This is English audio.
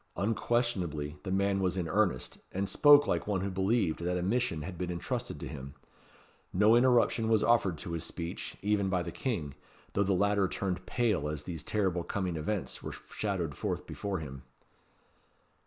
Unquestionably the man was in earnest, and spoke like one who believed that a mission had been entrusted to him. No interruption was offered to his speech, even by the King, though the latter turned pale as these terrible coming events were shadowed forth before him.